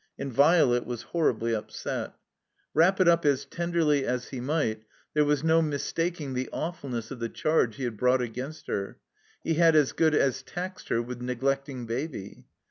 And Violet was horribly upset. Wrap it up as tenderly as he might, there was no mistaking the awfulness of the charge he brought against her. He had as good as taxed her with neglecting Baby.